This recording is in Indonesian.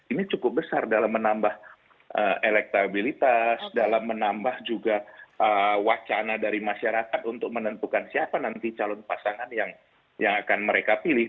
ini cukup besar dalam menambah elektabilitas dalam menambah juga wacana dari masyarakat untuk menentukan siapa nanti calon pasangan yang akan mereka pilih